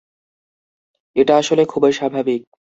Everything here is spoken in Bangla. এটা আসলে খুবই স্বাভাবিক।